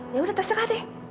yaudah terserah deh